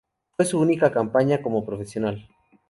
Fue su única campaña como profesional.